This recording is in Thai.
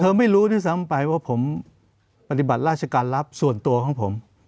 ไม่รู้ด้วยซ้ำไปว่าผมปฏิบัติราชการรับส่วนตัวของผม